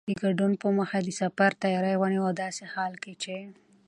د ګډون په موخه د سفر تیاری ونیوه او داسې حال کې چې